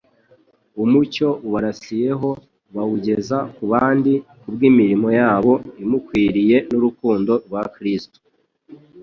Umucyo ubarasiyeho bawugeza ku bandi, kubw'imirimo yabo imurikiwe n'urukundo rwa Kristo.